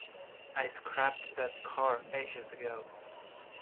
I scrapped that car ages ago.